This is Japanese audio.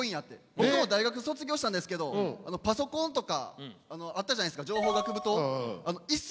僕も大学卒業したんですけどパソコンとかあったじゃないですか情報学部棟？